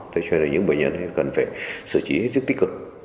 thế cho nên những bệnh nhân cần phải sử trí hết sức tích cực